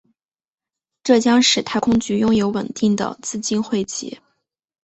这将使太空局拥有稳定的资金汇集。